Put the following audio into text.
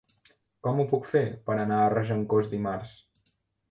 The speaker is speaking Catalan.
Com ho puc fer per anar a Regencós dimarts?